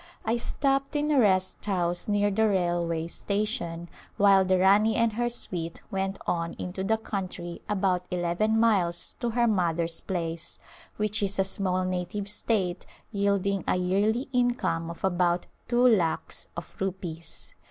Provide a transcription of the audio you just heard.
I stopped in a rest house near the railway station while the Rani and her suite went on into the country about eleven miles to her mother's place, which is a small native A Glimpse of India state yielding a yearly income of about two lakhs of rupees.